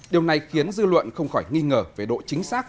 điều này khiến dư luận không khỏi nghi ngờ về độ chính xác